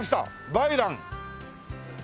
「梅蘭」